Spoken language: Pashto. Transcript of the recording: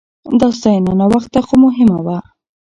دا ستاينه ناوخته خو مهمه وه.